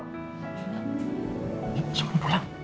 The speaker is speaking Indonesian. ya besok pulang